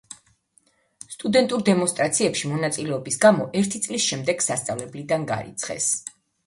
სტუდენტურ დემონსტრაციებში მონაწილეობის გამო ერთი წლის შემდეგ სასწავლებლიდან გარიცხეს.